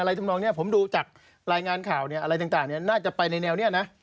ทำนองนี้ผมดูจากรายงานข่าวอะไรต่างน่าจะไปในแนวนี้นะ